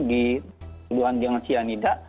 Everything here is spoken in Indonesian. dituduhan dengan cyanida